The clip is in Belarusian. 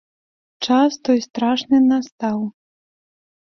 Час той страшны настаў!